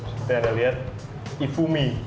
seperti yang anda lihat ifumi